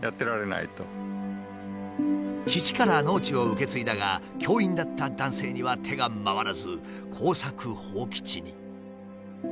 父から農地を受け継いだが教員だった男性には手が回らず耕作放棄地に。